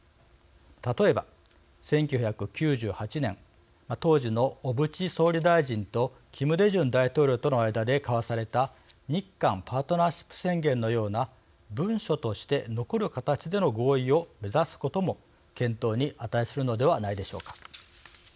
例えば１９９８年当時の小渕総理大臣とキム・デジュン大統領との間で交わされた日韓パートナーシップ宣言のような文書として残る形での合意を目指すことも検討に値するのではないでしょうか。